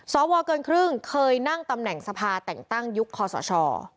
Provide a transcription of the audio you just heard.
สวเกินครึ่งเคยนั่งตำแหน่งสภาแต่งตั้งยุคคอสช